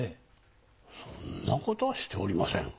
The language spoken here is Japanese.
そんな事はしておりません。